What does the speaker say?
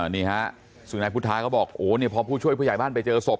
นี่ฮะซึ่งนายพุทธาก็บอกโอ้เนี่ยพอผู้ช่วยผู้ใหญ่บ้านไปเจอศพ